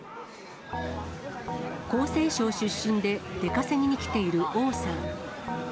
江西省出身で出稼ぎに来ている王さん。